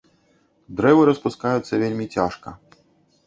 Дрэвы распускаюцца вельмі цяжка.